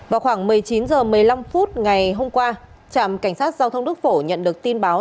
vào khoảng một mươi chín h một mươi năm phút ngày hôm qua trạm cảnh sát giao thông đức phổ nhận được tin báo